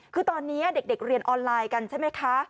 คือตอนนี้เด็กเรียนออนไลน์กันใช่ไหมคะ